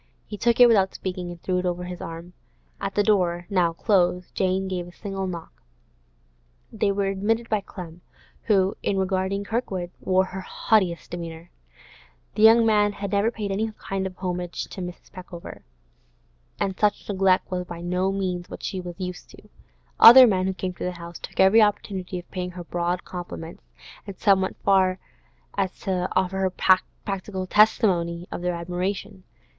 He took it without speaking, and threw it over his arm. At the door, now closed, Jane gave a single knock; they were admitted by Clem, who, in regarding Kirkwood, wore her haughtiest demeanour. This young man had never paid homage of any kind to Miss Peckover, and such neglect was by no means what she was used to. Other men who came to the house took every opportunity of paying her broad compliments, and some went so far as to offer practical testimony of their admiration.